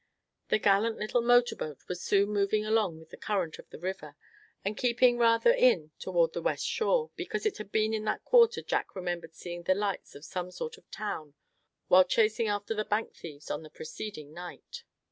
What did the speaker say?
The gallant little motor boat was soon moving along with the current of the river, and keeping rather in toward the west shore; because it had been in that quarter Jack remembered seeing the lights of some sort of town while chasing after the bank thieves on the preceding night.